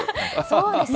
そうですね。